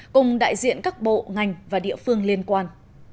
cùng đại diện các bộ ngành và địa phương liên quan